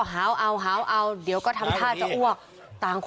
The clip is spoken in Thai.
หายใจไม่อี่มเอง